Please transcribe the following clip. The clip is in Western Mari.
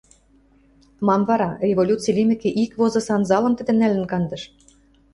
Мам вара, революци лимӹкӹ, ик возы санзалым тидӹ нӓлӹн кандыш.